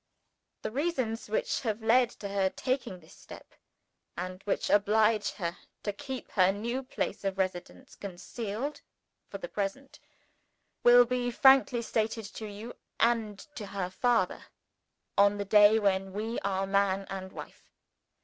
The reasons which have led to her taking this step, and which oblige her to keep her new place of residence concealed for the present, will be frankly stated to you and to her father on the day when we are man and wife.